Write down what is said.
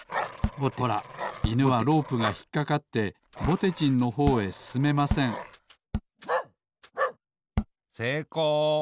ほらいぬはロープがひっかかってぼてじんのほうへすすめませんせいこう。